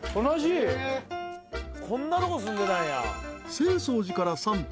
［浅草寺から３分。